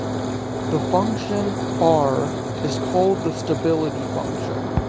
The function "r" is called the "stability function".